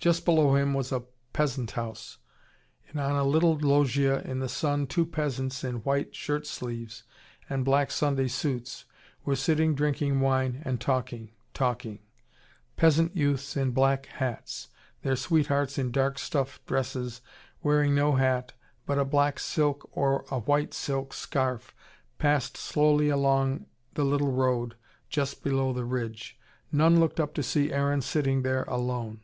Just below him was a peasant house: and on a little loggia in the sun two peasants in white shirtsleeves and black Sunday suits were sitting drinking wine, and talking, talking. Peasant youths in black hats, their sweethearts in dark stuff dresses, wearing no hat, but a black silk or a white silk scarf, passed slowly along the little road just below the ridge. None looked up to see Aaron sitting there alone.